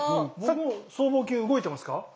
僕も僧帽筋動いてますか？